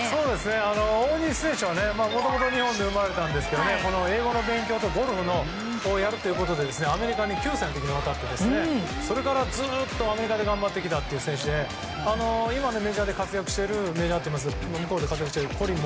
大西選手は、もともと日本で生まれたんですけど英語の勉強と、ゴルフをやるってことで、アメリカに９歳の時に渡ってそれからずっとアメリカで頑張ってきた選手で今、メジャーで活躍していますコリン・